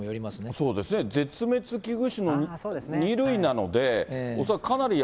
そうですね、絶滅危惧種の２類なので、恐らくかなり。